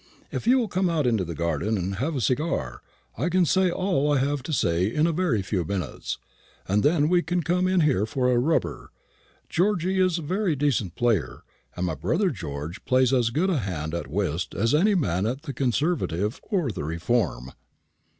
"If you will come out into the garden and have a cigar, I can say all I have to say in a very few minutes; and then we can come in here for a rubber. Georgy is a very decent player; and my brother George plays as good a hand at whist as any man at the Conservative or the Reform."